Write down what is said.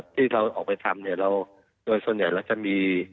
ที่เราออกไปทำเนี่ยเราโดยส่วนใหญ่เราจะมี